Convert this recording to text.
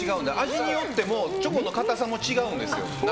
味によってもチョコの硬さも違うんですよ